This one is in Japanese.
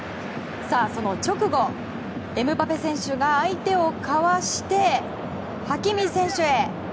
その直後、エムバペ選手が相手をかわしてハキミ選手へ。